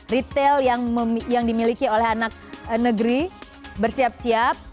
retail yang dimiliki oleh anak negeri bersiap siap